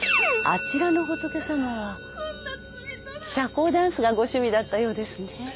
あちらのホトケさまは社交ダンスがご趣味だったようですね。